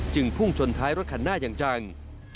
พุ่งชนท้ายรถคันหน้าอย่างจัง